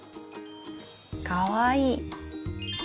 かわいい。